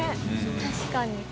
確かに。